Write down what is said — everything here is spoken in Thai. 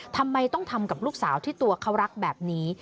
ทำไมต้องทำกับลูกสาวที่ตัวเขารักแบบนี้